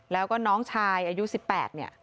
แล้วก็น้องชายอายุ๑๘เนี่ย